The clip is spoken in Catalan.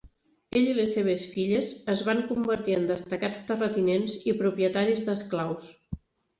Ell i les seves filles es van convertir en destacats terratinents i propietaris d'esclaus.